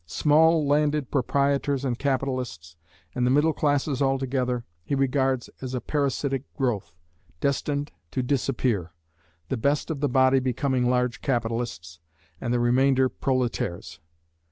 Small landed proprietors and capitalists, and the middle classes altogether, he regards as a parasitic growth, destined to disappear, the best of the body becoming large capitalists, and the remainder proletaires.